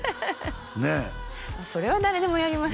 ねえそれは誰でもやりますよ